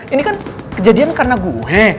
ini kan kejadian karena gue hek